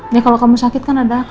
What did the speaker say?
ya kalo kamu sakit kan ada aku